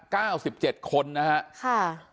เก้าสิบเจ็ดคนนะครับ